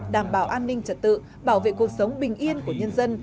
đảm bảo an ninh trật tự bảo vệ cuộc sống bình yên của nhân dân